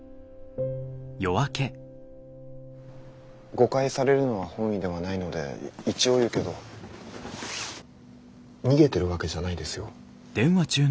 誤解されるのは本意ではないので一応言うけど逃げてるわけじゃないですよ。